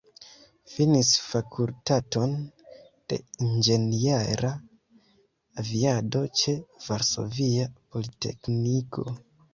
Finis Fakultaton de Inĝeniera Aviado ĉe Varsovia Politekniko.